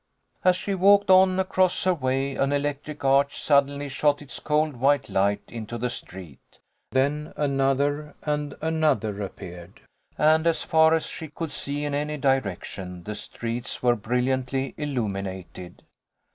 As she walked on, across her way an electric arch suddenly shot its cold white light into the street. Then another and another appeared, and as far as she could see in any direction the streets were bril liantly illuminated.